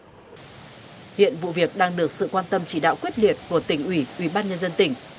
hiện vụ việc đang được sự quan tâm chỉ đạo quyết liệt của tỉnh ủy ủy ban nhân dân tỉnh